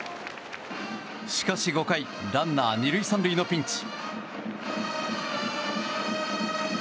しかし５回ランナー２塁３塁のピンチ。